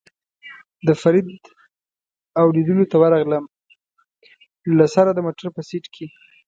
د فرید او لېدلو ته ورغلم، له سره د موټر په سېټ کې.